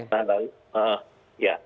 nah lalu eh ya